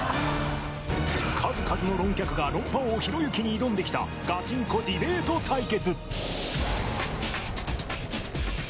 数々の論客が論破王ひろゆきに挑んできたガチンコディベート対決。